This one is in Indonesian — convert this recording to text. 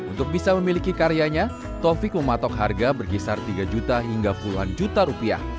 untuk bisa memiliki karyanya taufik mematok harga berkisar tiga juta hingga puluhan juta rupiah